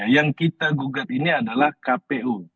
yang kita gugat ini adalah kpu